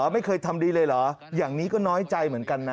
ไม่เคยทำดีเลยเหรออย่างนี้ก็น้อยใจเหมือนกันนะ